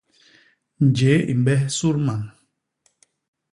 Njéé i mbe sudman.